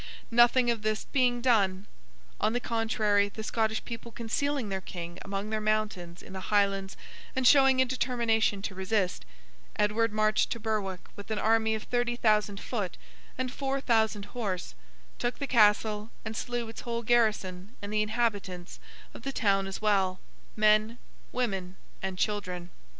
Nothing of this being done; on the contrary, the Scottish people concealing their King among their mountains in the Highlands and showing a determination to resist; Edward marched to Berwick with an army of thirty thousand foot, and four thousand horse; took the Castle, and slew its whole garrison, and the inhabitants of the town as well—men, women, and children.